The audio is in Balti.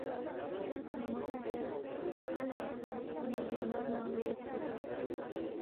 زیربا نہ مو سی زیرس، ن٘ا لہ ژھونگپا رُومی بیمار ننگ لو زیرے کوس